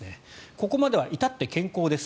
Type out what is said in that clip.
ここまではいたって健康です